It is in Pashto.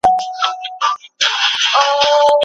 د لمر وړانګې ګټورې دي.